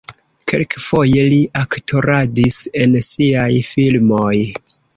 Kelkfoje li aktoradis en siaj filmoj.